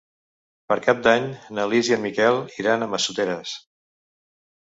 Per Cap d'Any na Lis i en Miquel iran a Massoteres.